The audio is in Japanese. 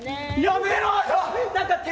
やめろよ。